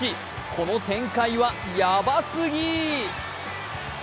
この展開はやばすぎ！